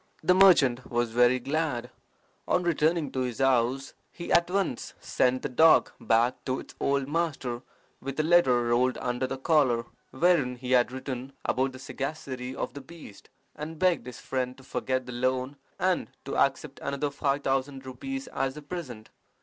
"The merchant was very glad. On returning to his house, he at once sent the dog back to its old master with a letter rolled under the collar, wherein he had written about the sagacity of the beast, and begged his friend to forget the loan and to accept another five thousand rupees as a present.